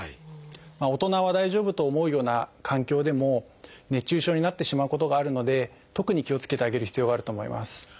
大人は大丈夫と思うような環境でも熱中症になってしまうことがあるので特に気をつけてあげる必要があると思います。